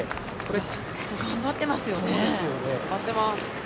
本当、頑張ってますよね。